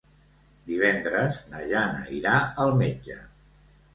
Divendres na Jana irà al metge.